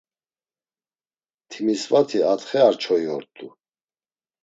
Timisvati atxe ar çoyi ort̆u.